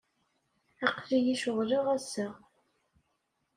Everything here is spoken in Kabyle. Aql-iyi ceɣleɣ ass-a.